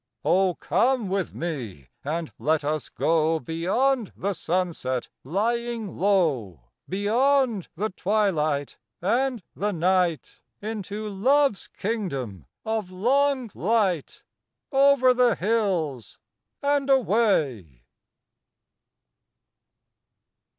Oh, come with me, and let us go Beyond the sunset lying low, Beyond the twilight and the night, Into Love's kingdom of long light, Over the hills and away.